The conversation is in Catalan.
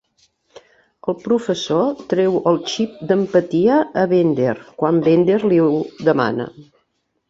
El professor treu el xip d'empatia a Bender quan Bender li ho demana.